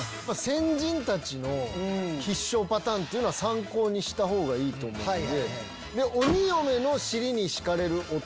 先人たちの必勝パターンは参考にした方がいいと思うんで。